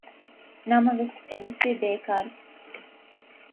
ނަމަވެސް އެވެސް ވީ ބޭކާރު